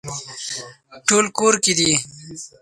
ټول کور کې دي